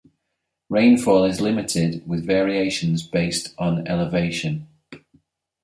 Rainfall is limited, with variations based on elevation.